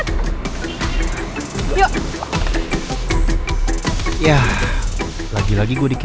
mama ngapain kesini